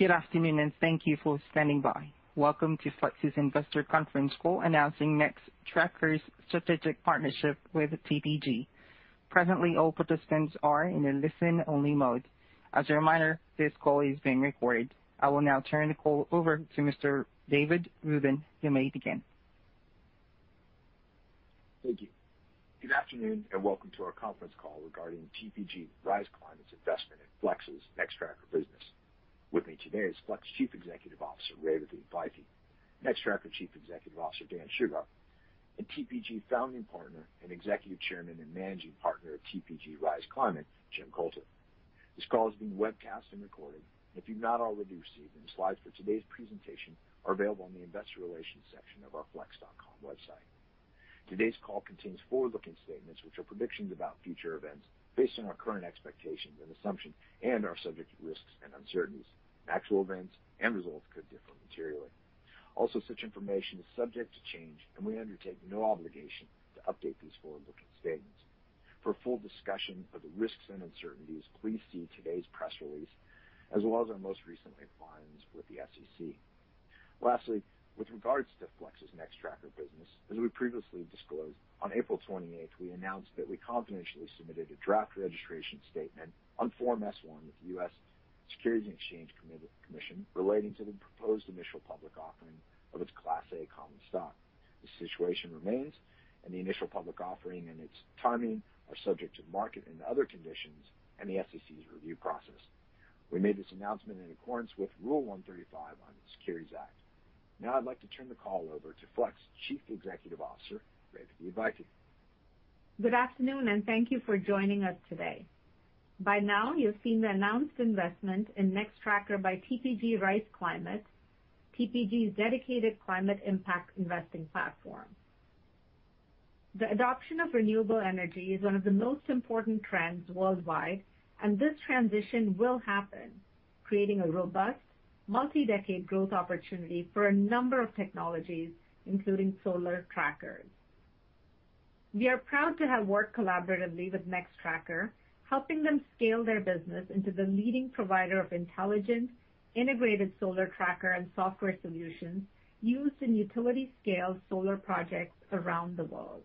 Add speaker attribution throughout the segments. Speaker 1: Good afternoon, and thank you for standing by. Welcome to Flex's Investor Conference Call announcing Nextracker's strategic partnership with TPG. Presently, all participants are in a listen-only mode. As a reminder, this call is being recorded. I will now turn the call over to Mr. David A. Rubin. You may begin.
Speaker 2: Thank you. Good afternoon, and welcome to our conference call regarding TPG Rise Climate's investment in Flex's Nextracker business. With me today is Flex Chief Executive Officer Revathi Advaithi, Nextracker Chief Executive Officer Dan Shugar, and TPG Founding Partner and Executive Chairman and Managing Partner of TPG Rise Climate Jim Coulter. This call is being webcast and recorded. If you've not already received them, slides for today's presentation are available on the investor relations section of our flex.com website. Today's call contains forward-looking statements which are predictions about future events based on our current expectations and assumptions and are subject to risks and uncertainties. Actual events and results could differ materially. Also, such information is subject to change, and we undertake no obligation to update these forward-looking statements. For full discussion of the risks and uncertainties, please see today's press release, as well as our most recent filings with the SEC. Lastly, with regards to Flex's Nextracker business, as we previously disclosed, on April twenty-eighth, we announced that we confidentially submitted a draft registration statement on Form S-1 with the U.S. Securities and Exchange Commission relating to the proposed initial public offering of its Class A common stock. The situation remains, and the initial public offering and its timing are subject to market and other conditions and the SEC's review process. We made this announcement in accordance with Rule 135 on the Securities Act. Now I'd like to turn the call over to Flex Chief Executive Officer, Revathi Advaithi.
Speaker 3: Good afternoon, and thank you for joining us today. By now, you've seen the announced investment in Nextracker by TPG Rise Climate, TPG's dedicated climate impact investing platform. The adoption of renewable energy is one of the most important trends worldwide, and this transition will happen, creating a robust multi-decade growth opportunity for a number of technologies, including solar trackers. We are proud to have worked collaboratively with Nextracker, helping them scale their business into the leading provider of intelligent, integrated solar tracker and software solutions used in utility-scale solar projects around the world.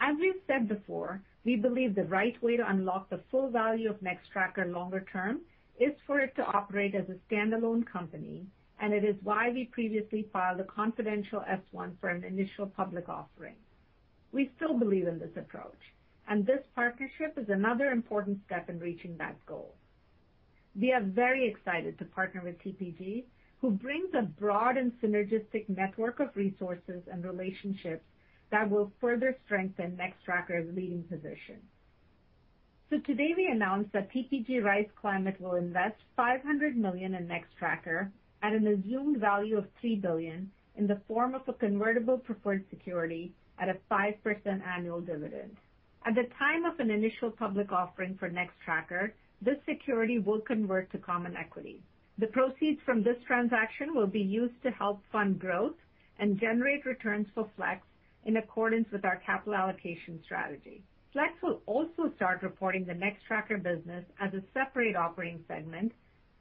Speaker 3: As we've said before, we believe the right way to unlock the full value of Nextracker longer term is for it to operate as a standalone company, and it is why we previously filed a confidential S-1 for an initial public offering. We still believe in this approach, and this partnership is another important step in reaching that goal. We are very excited to partner with TPG, who brings a broad and synergistic network of resources and relationships that will further strengthen Nextracker's leading position. Today, we announced that TPG Rise Climate will invest $500 million in Nextracker at an assumed value of $3 billion in the form of a convertible preferred security at a 5% annual dividend. At the time of an initial public offering for Nextracker, this security will convert to common equity. The proceeds from this transaction will be used to help fund growth and generate returns for Flex in accordance with our capital allocation strategy. Flex will also start reporting the Nextracker business as a separate operating segment,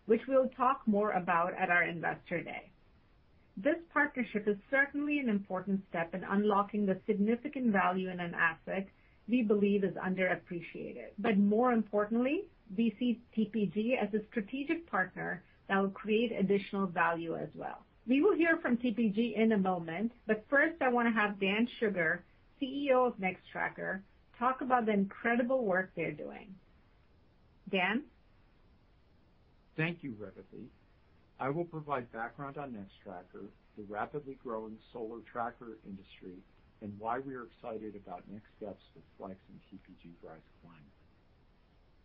Speaker 3: which we'll talk more about at our Investor Day. This partnership is certainly an important step in unlocking the significant value in an asset we believe is underappreciated. More importantly, we see TPG as a strategic partner that will create additional value as well. We will hear from TPG in a moment, but first, I wanna have Dan Shugar, CEO of Nextracker, talk about the incredible work they're doing. Dan?
Speaker 4: Thank you, Revathi. I will provide background on Nextracker, the rapidly growing solar tracker industry, and why we are excited about next steps with Flex and TPG Rise Climate.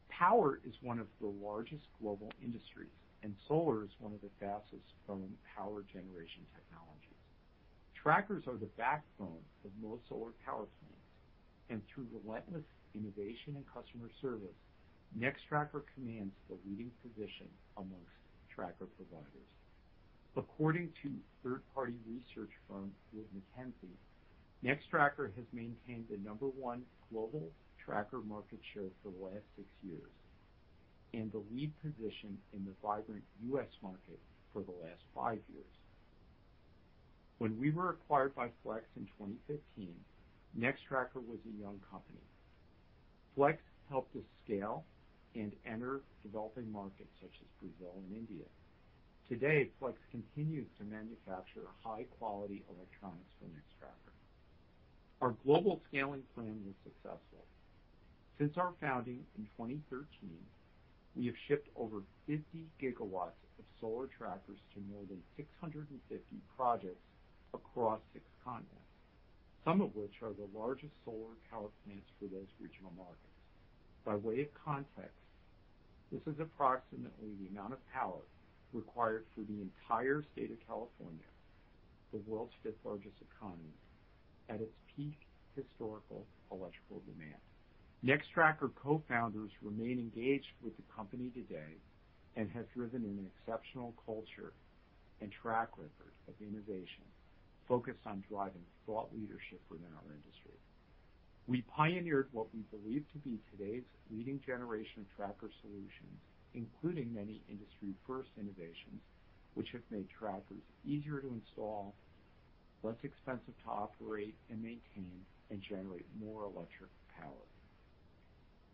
Speaker 4: Power is one of the largest global industries, and solar is one of the fastest growing power generation technologies. Trackers are the backbone of most solar power plants, and through relentless innovation and customer service, Nextracker commands the leading position amongst tracker providers. According to third-party research firm Wood Mackenzie, Nextracker has maintained the number one global tracker market share for the last 6 years and the lead position in the vibrant U.S. market for the last 5 years. When we were acquired by Flex in 2015, Nextracker was a young company. Flex helped us scale and enter developing markets such as Brazil and India. Today, Flex continues to manufacture high-quality electronics for Nextracker. Our global scaling plan was successful. Since our founding in 2013, we have shipped over 50 GW of solar trackers to more than 650 projects across 6 continents, some of which are the largest solar power plants for those regional markets. By way of context, this is approximately the amount of power required for the entire state of California, the world's 5th-largest economy, at its peak historical electrical demand. Nextracker co-founders remain engaged with the company today and have driven an exceptional culture and track record of innovation focused on driving thought leadership within our industry. We pioneered what we believe to be today's leading generation of tracker solutions, including many industry-first innovations, which have made trackers easier to install, less expensive to operate and maintain, and generate more electric power.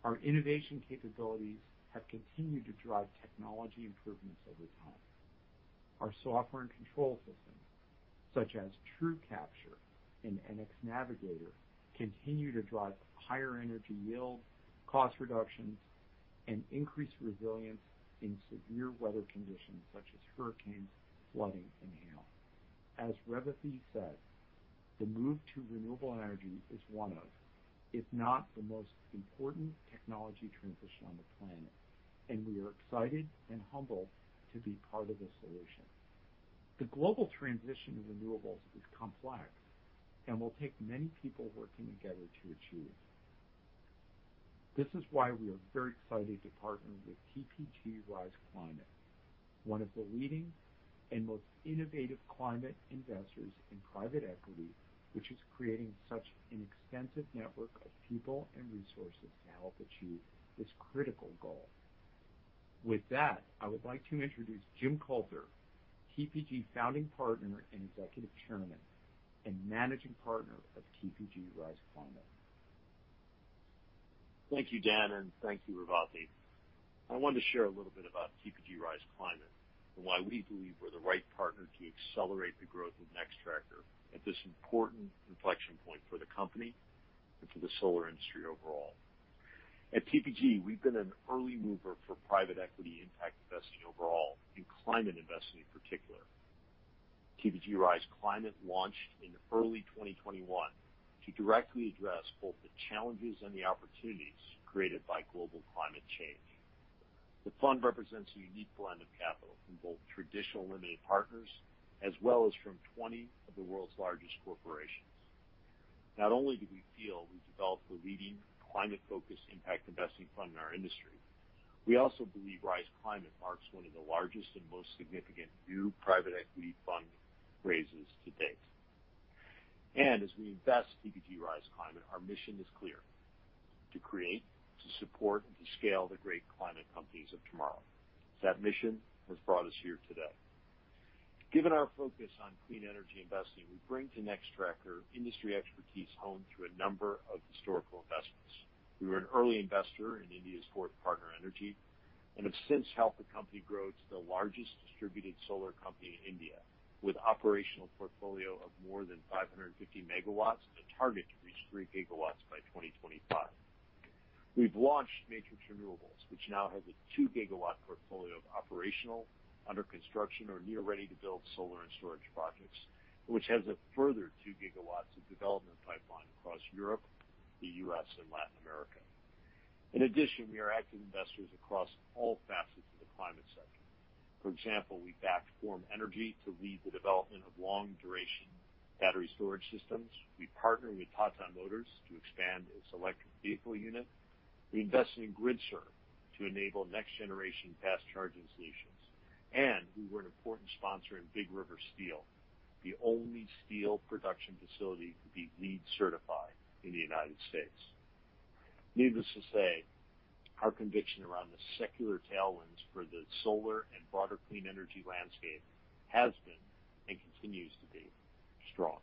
Speaker 4: Our innovation capabilities have continued to drive technology improvements over time. Our software and control systems, such as TrueCapture and NX Navigator, continue to drive higher energy yield, cost reductions, and increased resilience in severe weather conditions such as hurricanes, flooding, and hail. As Revathi said, the move to renewable energy is one of, if not the most important technology transition on the planet, and we are excited and humbled to be part of the solution. The global transition to renewables is complex and will take many people working together to achieve. This is why we are very excited to partner with TPG Rise Climate, one of the leading and most innovative climate investors in private equity, which is creating such an extensive network of people and resources to help achieve this critical goal. With that, I would like to introduce Jim Coulter, TPG Founding Partner and Executive Chairman and Managing Partner of TPG Rise Climate.
Speaker 5: Thank you, Dan, and thank you, Revathi. I want to share a little bit about TPG Rise Climate and why we believe we're the right partner to accelerate the growth of Nextracker at this important inflection point for the company and for the solar industry overall. At TPG, we've been an early mover for private equity impact investing overall, in climate investing in particular. TPG Rise Climate launched in early 2021 to directly address both the challenges and the opportunities created by global climate change. The fund represents a unique blend of capital from both traditional limited partners as well as from 20 of the world's largest corporations. Not only do we feel we've developed the leading climate-focused impact investing fund in our industry, we also believe Rise Climate marks one of the largest and most significant new private equity fund raises to date. As we invest in TPG Rise Climate, our mission is clear. To create, to support, and to scale the great climate companies of tomorrow. That mission has brought us here today. Given our focus on clean energy investing, we bring to Nextracker industry expertise honed through a number of historical investments. We were an early investor in India's Fourth Partner Energy and have since helped the company grow to the largest distributed solar company in India, with operational portfolio of more than 550 MW and a target to reach 3 GW by 2025. We've launched Matrix Renewables, which now has a 2 GW portfolio of operational, under construction or near ready-to-build solar and storage projects, which has a further 2 GW of development pipeline across Europe, the U.S. and Latin America. In addition, we are active investors across all facets of the climate sector. For example, we backed Form Energy to lead the development of long-duration battery storage systems. We partnered with Tata Motors to expand its electric vehicle unit. We invested in Gridserve to enable next-generation fast charging solutions. We were an important sponsor in Big River Steel, the only steel production facility to be LEED certified in the United States. Needless to say, our conviction around the secular tailwinds for the solar and broader clean energy landscape has been, and continues to be, strong.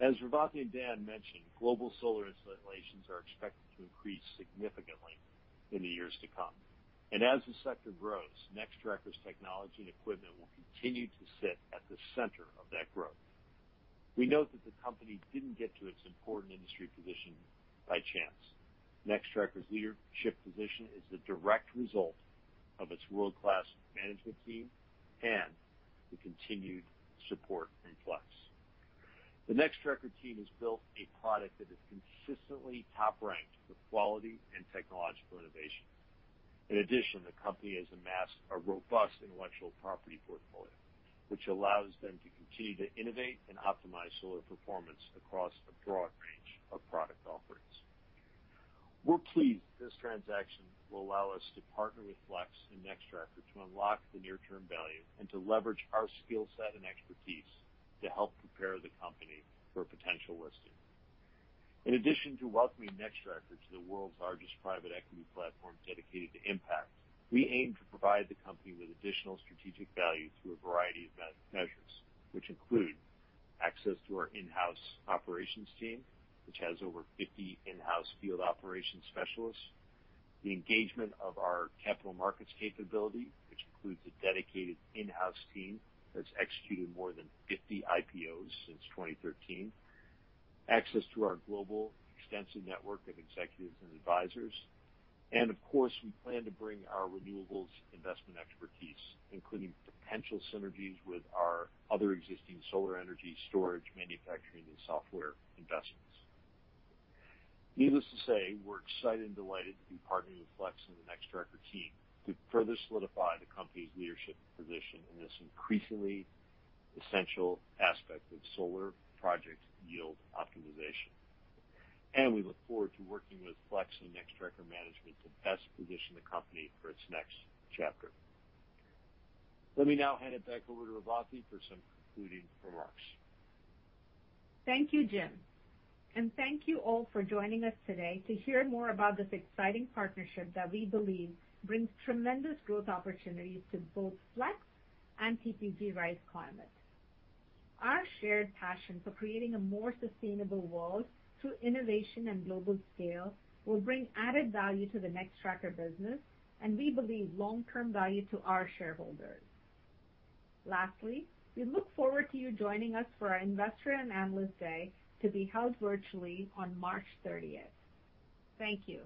Speaker 5: As Revathi and Dan mentioned, global solar installations are expected to increase significantly in the years to come. As the sector grows, Nextracker's technology and equipment will continue to sit at the center of that growth. We note that the company didn't get to its important industry position by chance. Nextracker's leadership position is the direct result of its world-class management team and the continued support from Flex. The Nextracker team has built a product that is consistently top ranked for quality and technological innovation. In addition, the company has amassed a robust intellectual property portfolio, which allows them to continue to innovate and optimize solar performance across a broad range of product offerings. We're pleased this transaction will allow us to partner with Flex and Nextracker to unlock the near-term value and to leverage our skill set and expertise to help prepare the company for a potential listing. In addition to welcoming Nextracker to the world's largest private equity platform dedicated to impact, we aim to provide the company with additional strategic value through a variety of measures, which include access to our in-house operations team, which has over 50 in-house field operations specialists. The engagement of our capital markets capability, which includes a dedicated in-house team that's executed more than 50 IPOs since 2013, access to our global extensive network of executives and advisors. Of course, we plan to bring our renewables investment expertise, including potential synergies with our other existing solar energy storage, manufacturing and software investments. Needless to say, we're excited and delighted to be partnering with Flex and the Nextracker team to further solidify the company's leadership position in this increasingly essential aspect of solar project yield optimization. We look forward to working with Flex and Nextracker management to best position the company for its next chapter. Let me now hand it back over to Revathi for some concluding remarks.
Speaker 3: Thank you, Jim. Thank you all for joining us today to hear more about this exciting partnership that we believe brings tremendous growth opportunities to both Flex and TPG Rise Climate. Our shared passion for creating a more sustainable world through innovation and global scale will bring added value to the Nextracker business, and we believe long-term value to our shareholders. Lastly, we look forward to you joining us for our Investor and Analyst Day to be held virtually on March 30th. Thank you.